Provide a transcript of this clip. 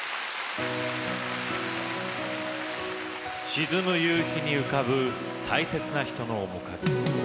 沈む夕陽に浮かぶ大切な人の面影。